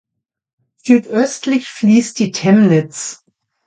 Südöstlich fließt die Temnitz.